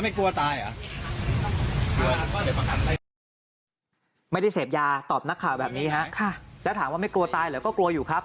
ไม่ได้เสพยาตอบนักข่าวแบบนี้ฮะแล้วถามว่าไม่กลัวตายเหรอก็กลัวอยู่ครับ